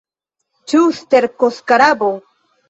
Ĉu sterkoskarabo?